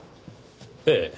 ええ。